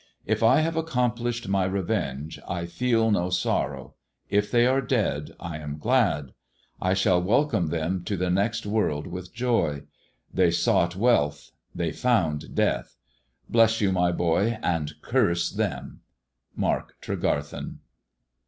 If I have accomplished my revenge I feel no sorrow ; if they are dead I am glad. I shall welcome them to the next world with joy. They sought wealth — they found death. Bless you, my boy— and curse them. — Mabk Teegaethen."